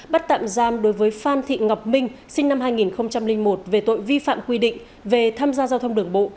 bắt tạm giam đối với phan thị ngọc minh sinh năm hai nghìn một về tội vi phạm quy định về tham gia giao thông đường bộ